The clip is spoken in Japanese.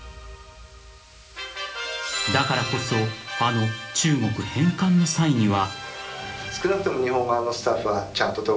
［だからこそあの中国返還の際には］